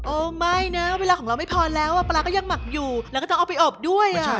ไม่นะเวลาของเราไม่พอแล้วปลาร้าก็ยังหมักอยู่แล้วก็ต้องเอาไปอบด้วย